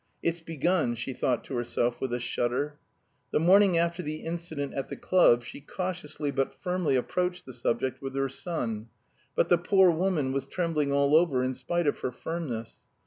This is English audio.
"It's begun!" she thought to herself with a shudder. The morning after the incident at the club she cautiously but firmly approached the subject with her son, but the poor woman was trembling all over in spite of her firmness.